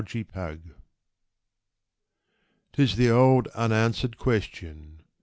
UNSOLVED 'Tis the old unanswered question